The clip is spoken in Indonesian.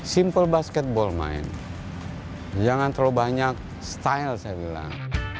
simple basket ball main jangan terlalu banyak style saya bilang